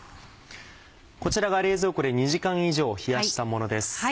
こちらが冷蔵庫で２時間以上冷やしたものです。